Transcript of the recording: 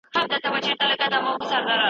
مطالعه بايد د سوله ييز ژوند برخه شي.